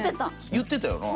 言ってたよな。